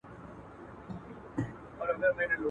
ډېر شتمن دئ تل سمسوره او ښېراز دئ.